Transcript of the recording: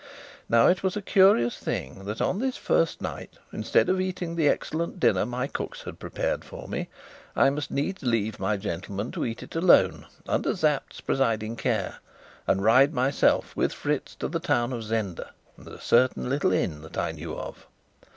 Now it was a curious thing that on this first night, instead of eating the excellent dinner my cooks had prepared for me, I must needs leave my gentlemen to eat it alone, under Sapt's presiding care, and ride myself with Fritz to the town of Zenda and a certain little inn that I knew of.